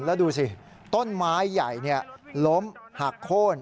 แล้วดูสิต้นไม้ใหญ่ล้มหักโค้น